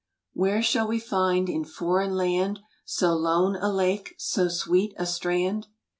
"Where shall we find in foreign land So lone a lake, so sweet a strand?"